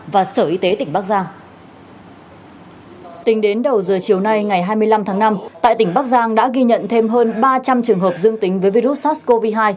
tính đến đầu giờ chiều nay ngày hai mươi năm tháng năm tại tỉnh bắc giang đã ghi nhận thêm hơn ba trăm linh trường hợp dương tính với virus sars cov hai